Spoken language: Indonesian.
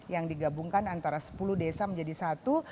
yang digabungkan antara sepuluh desa menjadi satu